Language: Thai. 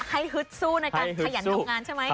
ให้ฮึดสู้นะครับขยันทำงานใช่ไหม